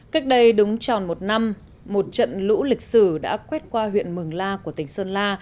cách đây đúng tròn một năm một trận lũ lịch sử đã quét qua huyện mường la của tỉnh sơn la